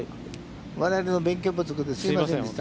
我々の勉強不足ですいませんでした。